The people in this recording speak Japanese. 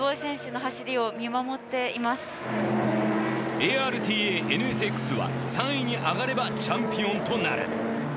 ＡＲＴＡＮＳＸは３位に上がればチャンピオンとなる。